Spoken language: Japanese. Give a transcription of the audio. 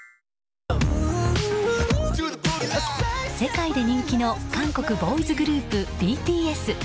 世界で人気の韓国ボーイズグループＢＴＳ。